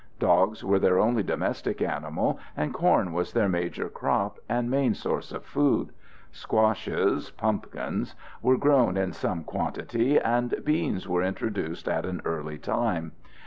Dogs were their only domestic animal, and corn was their major crop and main source of food. Squashes (pumpkins) were grown in some quantity, and beans were introduced at an early time.